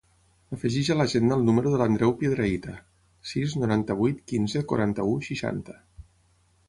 Afegeix a l'agenda el número de l'Andreu Piedrahita: sis, noranta-vuit, quinze, quaranta-u, seixanta.